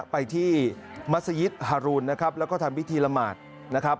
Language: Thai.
ไปที่มัศยิตฮารูนนะครับแล้วก็ทำพิธีละหมาดนะครับ